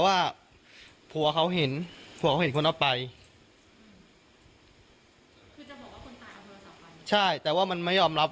อย่ามาโชว์มาให้ไอ่บนฮลอยครับ